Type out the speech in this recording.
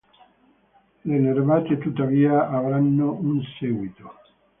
Le nerbate tuttavia avranno un seguito.